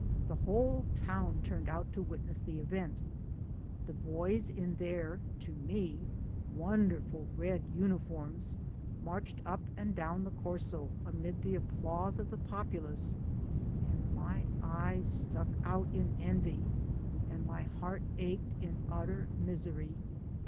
The whole town turned out to witness the event. The boys in their, to me, wonderful red uniforms, marched up and down the Corso amid the applause of the populace, and my eyes stuck out in envy, and my heart ached in utter misery.